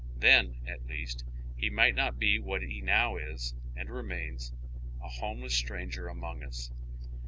Then, at least, he might not be what he now is and remains, a liomeless stranger among us.